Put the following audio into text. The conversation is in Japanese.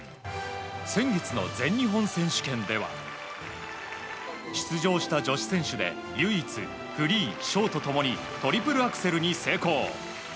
先月の全日本選手権では出場した女子選手で唯一フリー、ショート共にトリプルアクセルに成功。